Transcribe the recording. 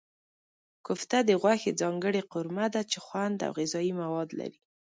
کوفته د غوښې ځانګړې قورمه ده چې خوند او غذايي مواد لري.